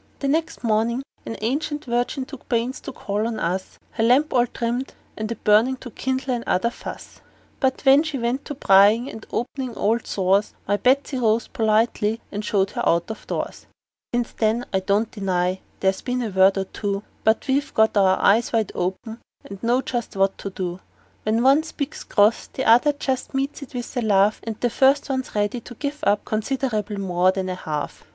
Next mornin' an ancient virgin took pains to call on us, Her lamp all trimmed and a burnin' to kindle another fuss; But when she went to pryin' and openin' of old sores, My Betsey rose politely, and showed her out of doors. "MY BETSEY ROSE POLITELY, AND SHOWED HER OUT OF DOORS." Since then I don't deny but there's been a word or two; But we've got our eyes wide open, and know just what to do: When one speaks cross the other just meets it with a laugh, And the first one's ready to give up considerable more than half.